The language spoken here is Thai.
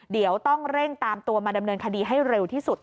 เดี๋ยวต้องเร่งตามตัวมาดำเนินคดีให้เร็วที่สุด